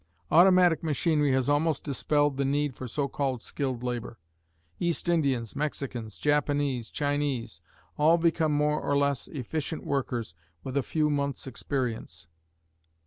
Automatic machinery has almost dispelled the need for so called skilled labor. East Indians, Mexicans, Japanese, Chinese, all become more or less efficient workers with a few month's experience.